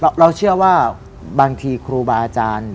เราเชื่อว่าบางทีครูบาอาจารย์